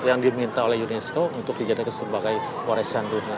yang diminta oleh unesco untuk dijadikan sebagai warisan dunia